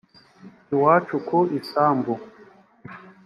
iwacu ku isambu